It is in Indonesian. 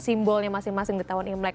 simbolnya masing masing di tahun imlek